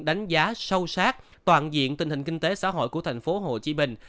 đánh giá sâu sát toàn diện tình hình kinh tế xã hội của thành phố hồ chí minh